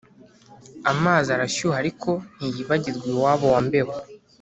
Amazi arashyuha aliko ntiyibagirrwa iwabo wa mbeho.